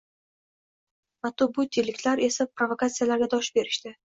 Mabutiliklar esa provokatsiyalarga dosh berishdi